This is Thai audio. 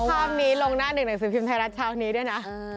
ภาพนี้ลงหน้าหนึ่งหนังสือพิมพ์ไทยรัฐเช้านี้ด้วยนะ